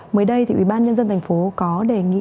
mới đây thì ubnd tp có đề nghị